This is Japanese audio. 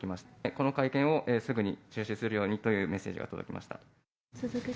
この会見をすぐに中止するようにというメッセージが届きました。